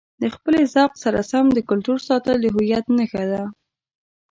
د خپلې ذوق سره سم د کلتور ساتل د هویت نښه ده.